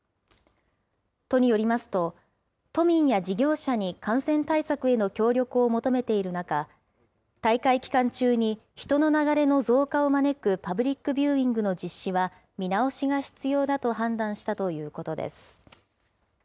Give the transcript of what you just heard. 都によりますと、都民や事業者に感染対策への協力を求めている中、大会期間中に人の流れの増加を招くパブリックビューイングの実施は、見直しが必要だと判断したということです。